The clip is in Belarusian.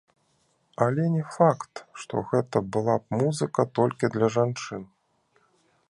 Але не факт, што гэта была б музыка толькі для жанчын.